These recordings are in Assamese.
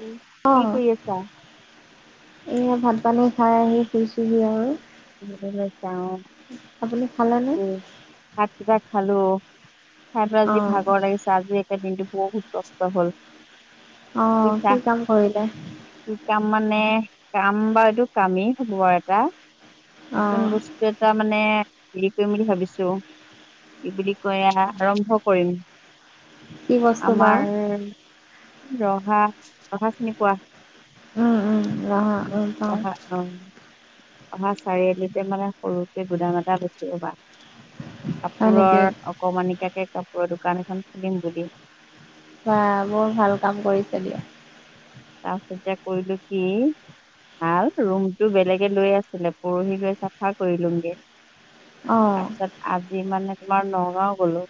উম, অ, কি কৰি আছা? এ ভাত, পালে খাই আহি শুইচোহি আৰু, যাওঁ। আপুনি খালেনে? ভাত কেইটা খালো। তাকে আজি অ', ভাগৰ লাগিছে। আজি একে দিনটো বহুত কষ্ট হল অ', কি বিশ্বাস, কাম কৰিলে? কি কাম মানে মানে, কাম বা এইটো কামেই হ'ব আৰু এটা। নতুন অ', বস্তু এটা মানে, হৰি, কৰিম বুলি ভাবিছো কি বুলি কৈ আৰম্ভ কৰিম। কি বস্তু বা? আমাৰ ৰহা, ৰহা চিনি পোৱা। উম উম ৰহা পাও অহা, চাৰিআলিতে মানে সৰুকে গুদাম এটা বেছি লবা। হয় নেকি? কাপোৰৰ অকমানিকাকে কাপোৰৰ দোকান এখন খুলিম বুলি। হ বৰ ভাল কাম কৰিছে দিয়া। তাৰপাছত এতিয়া কৰিলো কি? ভাল ৰুমটো বেলেগে লৈ আছিলে। পৰসি লৈ চাফা কৰি লওগৌ অ'। যি মানে তোমাৰ নগাঁও গ'লো,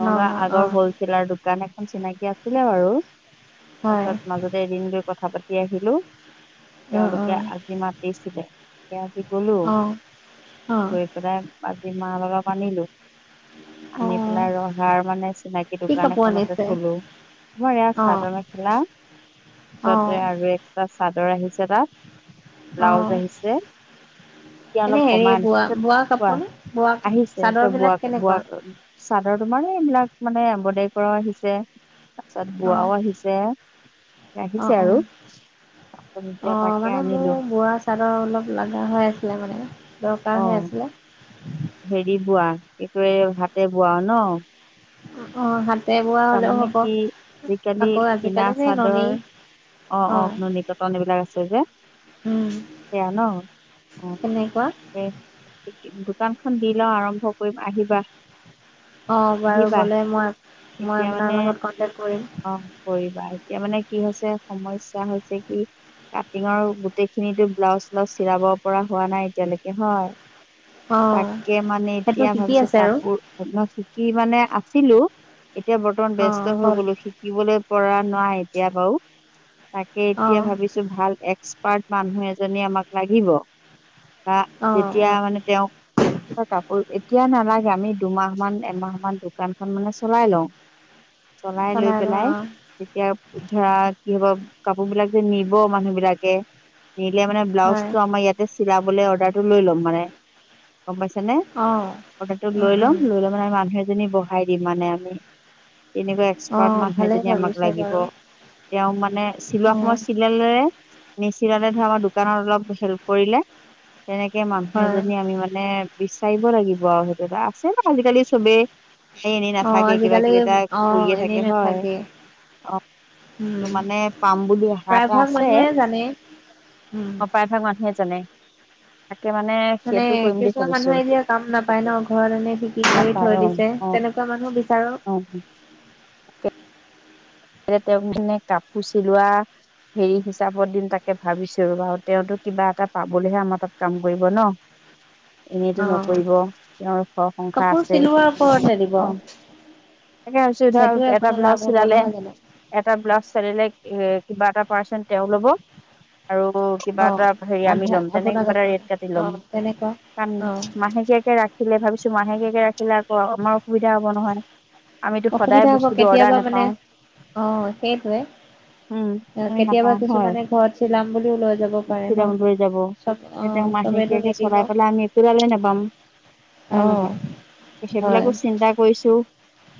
নগাঁও আগৰ হ'লছেলাৰ দোকান এ চিনাকি আছিলে বাৰু। হয়। তাৰপিছত মাজতে এদিন গৈ কথা পাতি আহিলো, উম, তেওঁলোকে উম, আজি মাতিছিলে। এতিয়া আজি গলো। অ', অ', গৈ পেলাই আজি মাল অলপ আনিলো। আনি অ', পেলাই ৰহাৰ মানে চিনাকি। কি দোকান কাপোৰ এখনতে আনিছে? থ'লো, মই এয়া অ', চাদৰ মেখেলা অ', পিছতে আৰু এক্সট্ৰা চাদৰ আহিছে তাত। ব্লাউজ অ', আহিছে। এতিয়া এনে অলপ হেৰি কমাই আনিছো, বোৱা পিছত বোৱা কাপোৰ কোৱা, নে বোৱা আহিছে চব চাদৰবিলাক বোৱা-বোৱা কেনেকুৱা? চাদৰ তোমাৰ। এইবিলাক মানে এমব্ৰইডাৰী কৰাও আহিছে। তাৰ পিছত অ', বোৱাও আহিছে। আহিছে অ', অ', আৰু এতিয়া অ' তাকে মানে মোৰ আনিলো বোৱা চাদৰ অলপ লগা হৈ আছিলে মানে অ দৰকাৰ হৈ আছিলে। হেৰি বোৱা এটোৱে হাতে বোৱা ন। অ' হাতে বোৱা হলেও তাৰমানে হ'ব কি আজিকালি আকৌ। কিনা আজিকালি নে চাদৰ ননী অ'- অ' নুনী কতন এইবিলাক আছে যে সেয়া ন। অ এনেকুৱা। সেই দোকানখন দি লওঁ, আৰম্ভ কৰিম আহিবা। অ' বাৰু আহিবা গ'লে মই -মই এতিয়া আপোনাৰ মানে লগত কণ্টেক্ট কৰিম। অ কৰিবা এতিয়া মানে কি হৈছে, সমস্যা হৈছে কি কাটিঙৰ গোটেইখিনিতো ব্লাউজ চ্লাউজ চিলাব পৰা হোৱা নাই এতিয়ালৈকে হয়। অ', তাকে মানে সেইটো এতিয়া শিকি ভাবিছো আছে আৰু কাপোৰ চুকি মানে। ছিলো এতিয়া বৰ্তমান ব্যস্ত অ', হৈ হ'ল গ'লো, শিকিবলে পৰা নাই এতিয়া বাৰু। তাকে এতিয়া অ', ভাবিছো ভাল এক্সপাৰ্ট মানুহ এজনী আমাক লাগিব। বা অ', যেতিয়া অ', মানে তেওঁক, কাপোৰ এতিয়া নালাগে আমি দুমাহ মান এমাহ মান দোকান খন মানে চলাই লওঁ, চলাই লৈ ল পেলাই অ', তেতিয়া ধৰা কি হ'ব কাপোৰ বিলাক যে নিব মানুহ বিলাকে নিলে মানে ব্লাউজ হয় টো আমাৰ ইয়াতে চিলাবলে এটো লৈ ল'ম মানে। গম পাইছ নে অ', অৰ্ডাৰটো উম, লৈ উম, ল'ম লৈ লৈ মানে মানুহ এজনী বহাই দিম মানে। তেনেকুৱা এক্সপাৰ্ট অ', মানুহ ভালেই এজনী আমাক ভাবিছে লাগিব। বাৰু তেওঁ মানে চিলোৱা অ', সময় চিলালেৰে নিচিলালে ধৰ আমাৰ দোকানত অলপ হেল্প কৰিলে তেনেকে মানুহ হয় এজনী আমি মানে বিচাৰিব লাগিব আৰু সেইটো আছে ব আজিকালি চবেই স এনেই না অ', থাকে কিবা আজিকালি কিবি এটা অ', কৰিয়ে এনেই থাকে হয়, নাথাকে অ'। তটো উম। মানে পাম বুলি আশা এটা প্ৰায়ভাগ আছে। মানুহে জানে। উম। অ', প্ৰায় ভাগ মানুহে জানে। তাকে মানে সেইটো কৰিম বুলি কিছুমান ভাবিছো মানুহে এতিয়া কাম নাপায় ন' ঘৰত এনে শিকি কৰি নাপায় থৈ অ' দিছে অ' তেনেকুৱা মান মানহ অ' বিচাৰক। তেওঁক মানে কাপোৰ চিলোৱা হেৰি হিচাপত দিন তাকে ভাবিছো আৰু ব তেওঁতো কিবা এটা পাবলৈহে আমাৰ তাত কাম কৰিব ন'। [inaudible] এনেইতো অ', নকৰিব তেওঁৰ ঘৰ সংসাৰ কাপোৰ আছে চিলোৱাৰ ওপৰতে দিব অ'। তাকেছো সেইটোৱে ধৰ এটা আপোনাৰ লাভ ব্লাউজ হ'ব চিলালে নহয় জানো? এটা ব্লাউজ চালিলে কিবা এটা পাৰ্চন তেওঁ ল'ব, আৰু কিবা অ', এটা হেৰি আমি আধা ল'ম তেনেক আপোনাক কিবা এটা আপোন ৰেট কাটি ল'ম। অ', তেনেকুৱা কাৰণ অ'। মাহেকীয়াকে ৰাখিলে ভাবিছো মাহেকীয়াকে ৰাখিলে আকৌ আমাৰ অসুবিধা হ'ব নহয় আমিতো সদায় অসুবিধা হ'ব বস্তুতটো অৰ্ডাৰ কেতিয়াবা মানে নোপাওঁ। অ', সেইটোৱে। উম আহ আমি কেতিয়াবা নাপাওঁ হয় কিছুমানে ঘৰত চিলাম বুলিও লৈ যাব পাৰে চিৰাং লৈ যাব ন'। তেওঁ অ', চবেইটো মাহেকীয়াকে নিদিব। হয়ে অ', নহয় হয় সেইবিলাকো চিন্তা কৰিছো।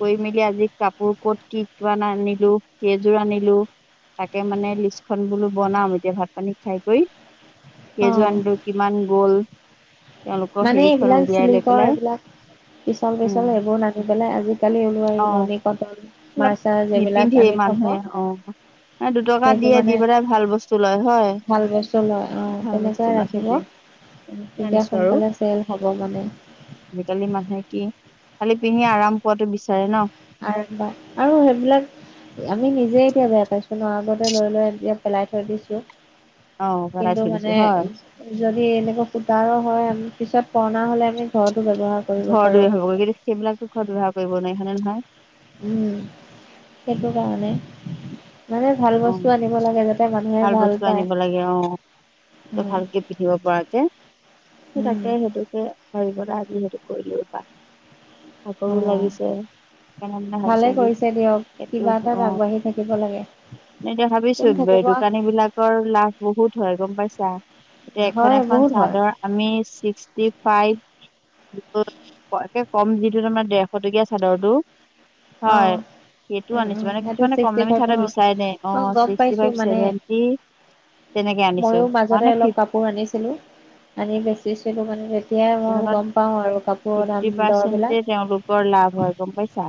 কৰি মেলি আজি কাপোৰ ক'ত কি কি আনিলো কেইযোৰ আনিলো? তাকে মানে লিষ্ট খন বোলো বনাম এতিয়া ভাত পানী খাই কৰি। কেইযোৰ অ'। আনিলো, কিমান গ'ল? তেওঁলোকৰ মানে হেৰিখন এইবিলাক উলিয়াই লৈ চিলিকৰ পেলাই এইবিলাক। পিছল উম পিছল এইবোৰ নানি পেলাই আজিকালি ওল ননী কটন মাছ নিপিন্ধিয়ে মানুহে, অ'। ন দুটকা সেইটো দিয়ে দি মানে পেলাই ভাল বস্তু লয় হয়, ভাল বস্তু লয় অ ভাল বস্তু তেনেকুৱাই লয় ৰাখিব সেইটোৱে। তেনেকে তেতিয়া আনিছো আৰু সোনকালে চেল হ'ব মানে আজিকালি মানুহে কি খালি পিন্ধি আৰাম পোৱাতো বিচাৰে ন'। আৰুবাৰ আৰু সেইবিলাক আমি নিজে এতিয়া বেয়া পাইছো ন' আগতে লৈ লৈ এতিয়া পেলাই থৈ দিছো। অ পেলাই কিন্তু থৈ দিছো মানে হয় যদি এনেকা সূতাৰ হয়, পিছত পুৰণা হ'লে আমি ঘৰত ৰ দৰি হব [unintelligible] গ কি সেইবিলাকতো ঘৰত ব্যৱহাৰ কৰিব নোৱাৰি হয়নে নহয় উম সেইটো কাৰণে মানে ভাল বস্তু উ', আনিব লাগে যাতে মানুহে ভাল বস্তু পায় আনিব লাগে অ'। ভালকে পিন্ধিব পৰা যে। স উম তাকে সেইটোকে হৰিব আজি সেইটো কৰি লৈবা। আকৌ উম অ লাগিছে, হ ভালে চোৱলি কৰিছে দিয়ক [unintelligible] সেইটো কিবা এটাত আহ আগবাঢ়ি থাকিব লাগে এতিয়া ভাবিছো কোন থাকিব দোকানী বিলাকৰ লাভ বহুত হয় গম পাইছা। এতিয়া এখন হয় এখন বহুত হয় চাদৰ আমি ছিক্সটি ফাইভ কম যিটো তাৰমাৰ দেৰশ টকীয়া চাদৰটো অ হয় সেইটো উম আনিছো উম মানে সেইটো কিছুমানে ছিক্সটি কমলামী ফাইভ চাদৰ বিছি নাই নাই অ' গম পাইছো সীষ্টিফাইভ মানে সেৱেণ্টি ময়ো মাজতে অলপ কাপোৰ আনিছিলো আনি বেচিছিলো মানে, শেয়াই মই গম পাওঁ আৰু কাপোৰৰ ফিফটি দাম দৰ পাৰ্চেন্টে বিলাক তেওঁলোকৰ লাভ হয় গম পাইছা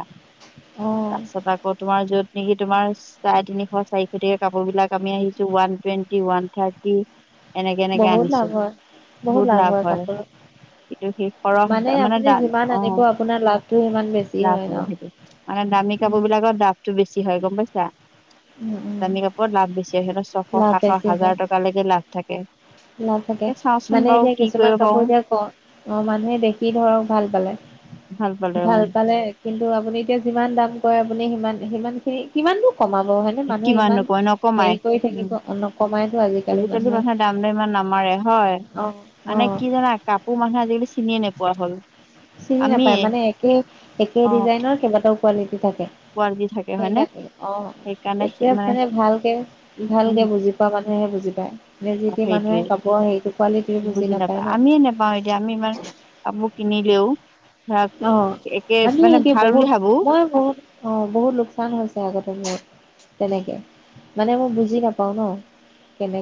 তাৰপিছত আকৌ তোমাৰ য'ত, নেকি তোমাৰ চাৰে তিনিশ চাৰিশ টকাৰ কাপোৰ বিলাক আমি আহিছো ওৱান টুৱেণ্টি ওৱান থাৰ্টি এনেকে এনেকে বহুত লাভ আনিছো হয় বহুত লাভ হয় এইটো সেই কৰৰহ মানে আপুনি ডাল যিমান অ' আনিব আপোনাৰ লাভটো সিমান বেছি হয় লাভ ন হব সেইটো উম কাপোৰ বিলাকৰ দাফতটো বেছি হয় গম পাইছা উম উম কানি কাপোৰ লাভ বেছি সিহতৰ ছশ লাভ সাতশ বেছি হয় হাজাৰ টকালৈকে লাভ থাকে। নাথাকে সেই চাওঁচোন মানে বাৰু এতিয়া কি কিছুমান কৰিব পাৰো কাপোৰ এতিয়া, ক অ' মানুহে দেখি ধৰক ভাল পালে পালে ভাল অ পালে কিন্তু আপুনি এতিয়া যিমান দাম কয় আপুনি সিমান সিমান খিনি কিমান দু কমাব হয়নে মানুহে কিমাননো ইমান কয় নকমাই হেৰি কৰি উম থাকিব নকমাইতো আজিকালি মানুহে নামাৰে হয় অ অ মানে কি জাননা কাপোৰ মানুহে আজিকালি চিনিয়ে নোপোৱা হ'ল। চিনি নাপায় আমিয়ে মানে একে একে অ ডিজাইনৰ কেইবাটাও কোৱালিটি থাকে। কোৱালিটি থাকে সেইক হয়নে আছিল অ' এতিয়া মানে ভালকে উম ভালকে বুজি পোৱা মানুহেহে বুজি পায়। নে যি টি সেইটোৱে মানুহে কাপোৰৰ হেৰিটো কোৱালিটি বুজি নাপায় ন আমিয়ে নাপাওঁ এতিয়া আমি ইমান, আপু কিনিলেও আপ এক ভমি একি বহুত মই বহুত অ' বহুত লোকচান হৈছে আগতে মৰ তেনেকে মানে মই বুজি নাপাওঁ ন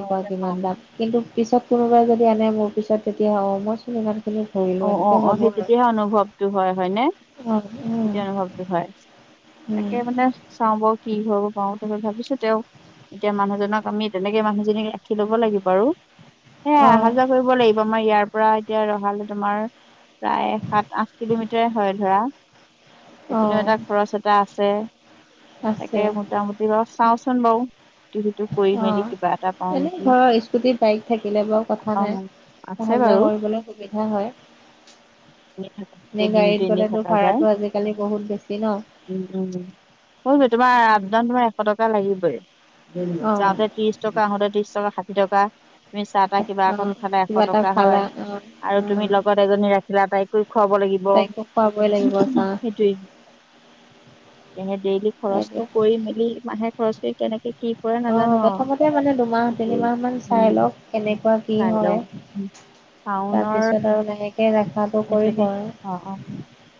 অ নেপাওঁ কিমান দাম কিন্তু পিছত কোনোবাই যদি আনে মোৰ পিছত তেতিয়া অ' মই চোন ইমান অ' অ' অ' সেই তেতিয়াহে অনুভৱটো হয় হয়নে অ', উম, এয়া অনুভৱটো হয় উম, তাকে মানে চাওঁ ব কি হব পাও ভাবিছো তেওঁ, এতিয়া মানুহজনক আমি তেনেকে মানুহজনীক ৰাখি লব লাগিব আৰু এ অহা অ', যোৱা কৰিব লাগিব আমাৰ ইয়াৰ পৰা এতিয়া ৰহালৈ তোমাৰ প্ৰায় সাত আঠ কিলোমিটাৰে হয় ধৰা এইপিনেও অ', এটা খৰচ এটা আছে আছে তাকে মোটামুটি বাৰু চাওচোন বাৰু ইটো সিটো কৰি মেলি কিবা এটা পাওঁ অ' এনেই নেকি ঘৰৰ স্কুটি বাইক থাকিলে বাৰু কথা অ নাই, আছে বাৰু যোৱা কৰিবলৈ সুবিধা হয়। এনে থ এনে সেই দিনটো গাড়ীত এনেই গ'লেতো থকা যায়। ভাড়াটো আজিকালি বহুত বেছি ন হৈ গৈ তোমাৰ আপ ডাউন ধৰা তোমাৰ এশ টকা লাগিবই অ'। যাওঁতে ত্ৰিশ টকা আহোতে ত্ৰিশ টকা ষাঠি টকা তুমি চাহ তাহ কিবা এন অ', খালে এশ কিবা এটা টকা হয় খালা অ', আৰু তুমি উম, লগ জনী ৰাখিলা টাইক খুৱাব লাগিব তাইকো খুৱাবই লাগিব চাহ সেইটোৱে সে ডেইলি খৰচটো এতিয়া কৰি মেলি মানাহে খৰচ কৰি কেনেকে, কি কৰে নাজানো অ', আৰু প্ৰথমতে মানে দুমাহ তিনিমাহ মান উ চাই লওক কেনেকুৱা কি চাই হয়। লওঁ টাউনৰ তাৰপিছত আৰু লাহেকে ৰাখাটো কৰিব আৰু অ' অ'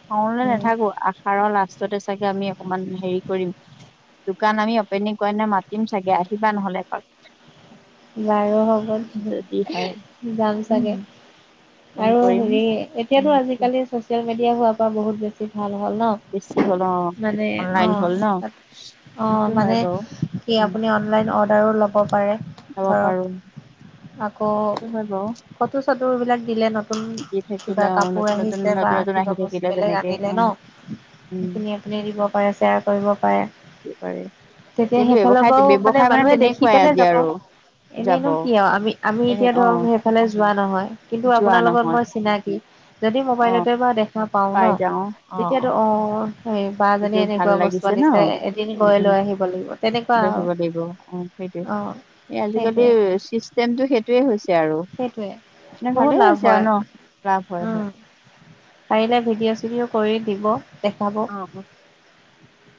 খালৈ উম, নাথাকো আষাৰৰ লষ্ট চতে চাগে আমি অকমান হেৰি কৰিম, দোকান আমি অপেনিং কৰে নে মাতিম চাগে আহিবা নহলে এপাক, বাৰু হ'ব যদি হয় যাম উম চাগে, ফোন আৰু কৰিম হেৰি উম এতিয়াতটো দিয়া। আজিকালি চচিয়েল মিডিয়া হৱা পৰা বহুত বেছি ভাল হল। বেছি ন হ'ল অ মানে অনলাইন অ' হ'ল ন তাত এইটো অ' হয় মানে, বাৰু সি উম আপুনি অনলাইন অৰ্ডাৰো ল'ব পাৰে যাব ধৰক পাৰো আকৌ কি হয় বাৰু, ফটো চটো এইবিলাক দিলে নতুন দি কিবা থাকিলে অ কাপোৰ নতুন নতুন আহিছে বা নতুন নতুন কিবা আহি বস্তু থাকিলে বেলেগ তেনেকে আনিলে ন উম [inaudible] সেইখিনি আপুনি দিব পাৰে, শ্বেয়াৰ কৰিব পাৰে। পাৰে। তেতিয়া কিন্তু সেইফালৰ ব্যৱসায় পৰাও মানে ব্যৱসায় মানুহে দেখি তেনেকুৱাই পেলাই আজি যাব। আৰু যাব এনেইনো কি আও আমি আমি এনে এতিয়া অ ধৰক সেইফালে যোৱা নহয় কিন্তু যোৱা আপোনাৰ লগত নহয় মই চিনাকি যদি অ মোবাইলতে বা দেখা পাওঁ ন পাই যাও তেতিয়াতো অ সেই বাজনী এইযোৰ ভাল এনেকুৱা বস্তু লাগিছে ন আনিছে, এদিন উম গৈ উম লৈ আহিব লাগিব তেনেকুৱা আৰু। দেখিব লাগিব অ সেইটোৱে অ এই আজিকালি সেইটোৱে চিষ্টেমটো সেইটোৱে হৈছে আৰু। সেইটোৱে নে বহুত ভালেই লাভ হৈছে আৰু হয় ন। লাভ হয় হয়। উম পাৰিলে ভিডিঅ'-চিডিঅ' কৰি দিব, দেখাব। অ অ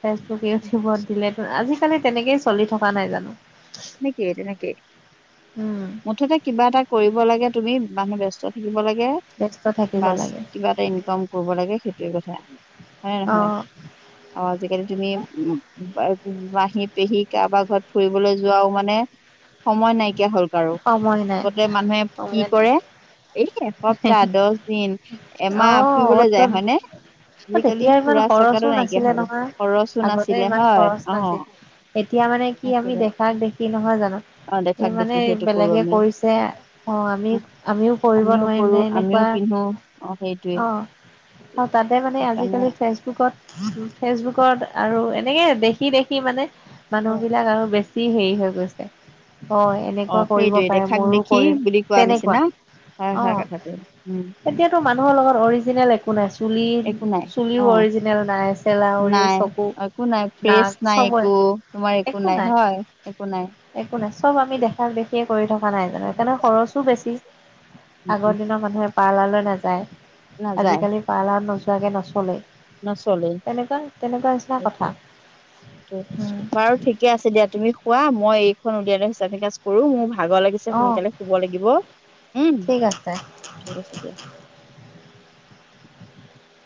ফেচবুক, ইউটিউবত দিলেটো আজিকালি তেনেকেই চলি থকা নাই জানো? [unintelligible] উম মুঠতে কিবা এটা কৰিব লাগে তুমি, মানুহ ব্যস্ত থাকিব লাগে ব্যস্ত থাকিব বাছ লাগে কিবা এটা ইনকাম কৰিব লাগে সেইটোৱে কথা। হয়নে অ নহয়? অ আজিকালি তুমি উ মাহী, পেহী কাৰোবাৰ ঘৰত ফুৰিবলৈ যোৱাও মানে সময় নাইকিয়া হ'ল কাৰো সময় নাই। আগতে মানুহে কি সময় নাই কৰে এ এসপ্তাহ, দচ দিন, অ এমাহ ফুৰিবলৈ অত যায় হয়নে? তত আজিকালি তেতিয়া ইমান খৰচো ফুৰা-চকাটো নাইকিয়া নাছিলে হ'ল, নহয়। খৰচো আগতে নাছিলে ইমান হয় খৰচ অহ। নাছিল এতিয়া মানে কি আমি দেখাক দেখি নহয় জানো অ দেখাক এই মানে দেখি সেইটো কৰো বেলেগে আমি কৰিছে অ আমি আমিও কৰিব নোৱাৰিম কৰো নে আমিও এনেকুৱা পিন্ধো অ সেইটোৱে। অ সেইটোৱে তাতে মানে সেইকাৰণে আজিকালি ফেচবুকত ফেচবুকৰ আৰু এনেকেই দেখি দেখি মানে অ মানুহবিলাক আৰু বেছি হেৰি হৈ গৈছে। হয় অ এনেকুৱা কৰিব সেইটোৱে পাৰে দেখাক মইয়ো দেখি কৰিম বুলি কোৱা তেনেকুৱা। নিচিনা হয় হয় কথাটো উম অ এতিয়াতো মানুহৰ লগত অৰিজিনেল একো নাই চব চুলি একো নাই অ চুলিও অৰিজিনেল নাই, চেলাউৰি, নাই চকু একো নাই ফ্ৰেছ নাক নাই একো তোমাৰ একো নাই হয় একো নাই। একো নাই চব আমি দেখাক দেখিয়ে কৰি থকা থকা নাই জানো? সেইকাৰণে খৰচো বেছি উম, উম, আগৰ দিনৰ মানুহে পাৰ্লাৰলৈ নাযায়। নাযায় আজিকালি পাৰ্লাৰ নোযোৱাকে নচলে নচলেই। তেনেকুৱা তেনেকুৱা নিচিনা সেইটোৱে কথা। উম। বাৰু ঠিকে আছে দিয়া তুমি শু, মই এইখন উলিয়ালাই হিচাপ-নিকাচ কৰো মোৰ ভা ভাগৰ লাগিছে অ', সোনকালে শুব লাগিব, উম ঠিক আছে। ঠিক আছে দিয়া। [inaudible]